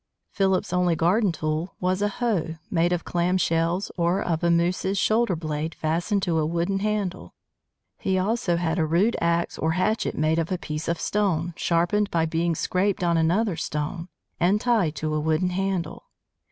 Philip's only garden tool was a hoe, made of clam shells or of a moose's shoulder blade fastened to a wooden handle. He also had a rude axe or hatchet made of a piece of stone, sharpened by being scraped on another stone, and tied to a wooden handle.